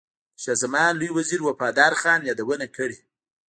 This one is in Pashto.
د شاه زمان لوی وزیر وفادار خان یادونه کړې.